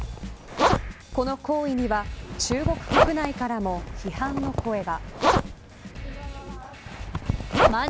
この行為には中国国内からも批判の声が。